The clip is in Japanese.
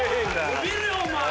伸びるよお前。